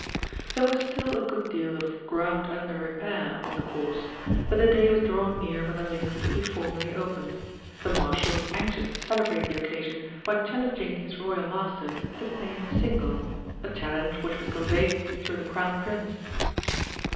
There was still a good deal of "ground under repair" on the course, but the day was drawing near when the links could be formally opened. The Marshal was anxious to celebrate the occasion by challenging his Royal Master to play him a single, a challenge which was conveyed through the Crown Prince.